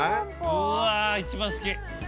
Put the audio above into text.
うわ一番好き。